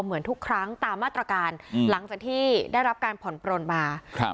เหมือนทุกครั้งตามมาตรการอืมหลังจากที่ได้รับการผ่อนปลนมาครับ